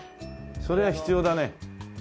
それが必要だね。